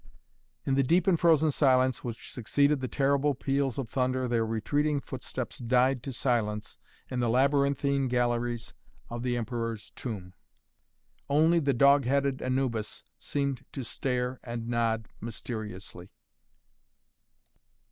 In the deep and frozen silence which succeeded the terrible peals of thunder their retreating footsteps died to silence in the labyrinthine galleries of the Emperor's Tomb. Only the dog headed Anubis seemed to stare and nod mysteriously.